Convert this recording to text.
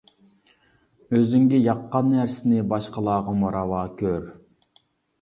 ئۆزۈڭگە ياققان نەرسىنى باشقىلارغىمۇ راۋا كۆر.